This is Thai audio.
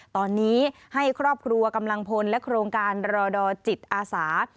ตอนนี้ให้ครอบครัวกำลังพลและโครงการรอดอจิตอาสา